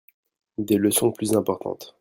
Des leçons plus importantes.